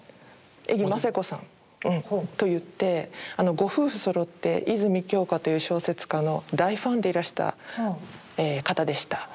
江木ませ子さんと言ってご夫婦そろって泉鏡花という小説家の大ファンでいらした方でした。